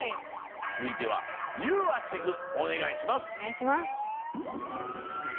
つづいてはゆうあシェフおねがいします！